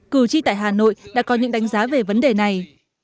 cử tri tại hà nội đã có những đánh giá về vấn đề này